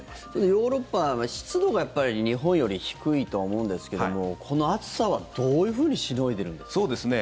ヨーロッパは、湿度が日本より低いと思うんですけどもこの暑さはどういうふうにしのいでるんですか？